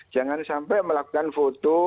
jangan sampai melakukan foto